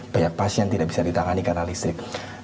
banyak pasien tidak bisa ditangani karena listrik